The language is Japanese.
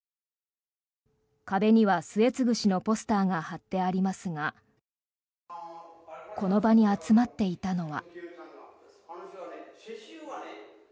壁には末次氏のポスターが貼ってありますがこの場に集まっていたのは。